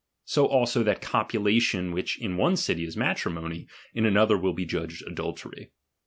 So also that copulation which in one city is matrimony, iu another will be judged adultery.